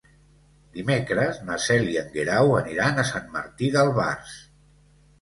Dimecres na Cel i en Guerau aniran a Sant Martí d'Albars.